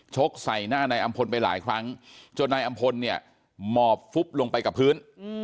กใส่หน้านายอำพลไปหลายครั้งจนนายอำพลเนี่ยหมอบฟุบลงไปกับพื้น